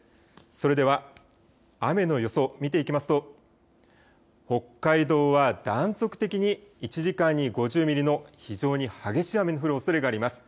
それでは雨の予想、見ていきますと北海道は断続的に１時間に５０ミリの非常に激しい雨の降るおそれがあります。